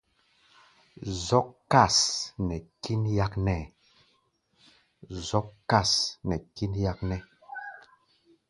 Zɔ́k kâs nɛ kín yáknɛ́.